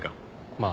まあ。